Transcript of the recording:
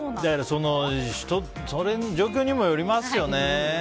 その状況にもよりますよね。